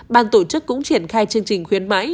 ban tổ chức cũng triển khai chương trình khuyến mãi